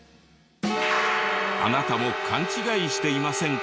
あなたも勘違いしていませんか？